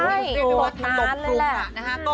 ใช่ตกหนักเลยแหละ